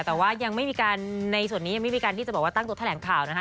แต่ว่ายังไม่มีการในส่วนนี้ยังไม่มีการที่จะบอกว่าตั้งโต๊ะแถลงข่าวนะคะ